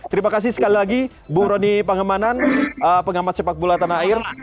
terima kasih sekali lagi bu roni pangemanan pengamat sepak bola tanah air